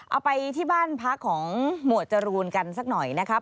เอาไปที่บ้านพักของหมวดจรูนกันสักหน่อยนะครับ